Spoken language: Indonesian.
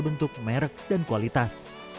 bentuk merek dan kualitas